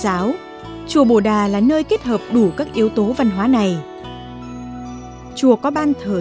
đạo phật đã tiếp thu và kết hợp với các yếu tố văn hóa dân gian đạo giáo và nhân dân